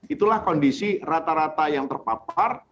itulah kondisi rata rata yang terpapar